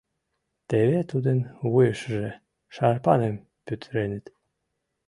Теве тудын вуешыже шарпаным пӱтыреныт.